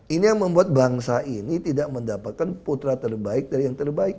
ini yang membuat bangsa ini tidak mendapatkan putra terbaik dari yang terbaik